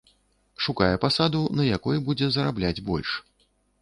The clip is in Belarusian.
Шукае пасаду, на якой будзе зарабляць больш.